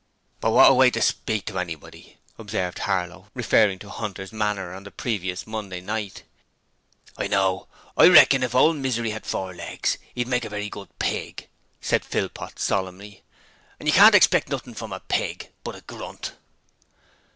'But what a way to speak to anybody!' observed Harlow, referring to Hunter's manner on the previous Monday night. 'You know, I reckon if ole Misery 'ad four legs, 'e'd make a very good pig,' said Philpot, solemnly, 'and you can't expect nothin' from a pig but a grunt.'